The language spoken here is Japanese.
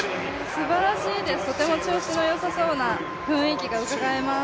すばらしいですとても調子のよさそうな雰囲気がうかがえます。